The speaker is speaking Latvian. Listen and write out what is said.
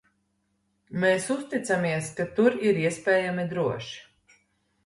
Mēs uzticamies, ka tur ir iespējami droši.